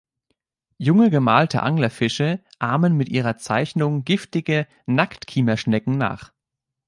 Junge Gemalte Anglerfische ahmen mit ihrer Zeichnung giftige Nacktkiemer-Schnecken nach.